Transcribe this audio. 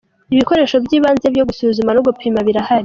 , ibikoresho by’ibanze byo gusuzuma no gupima birahari.